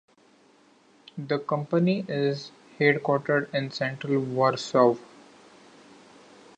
The company is headquartered in central Warsaw.